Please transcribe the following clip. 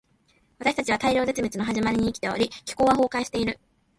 私たちは大量絶滅の始まりに生きており、気候は崩壊している。